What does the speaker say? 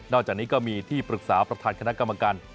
จากนี้ก็มีที่ปรึกษาประธานคณะกรรมการ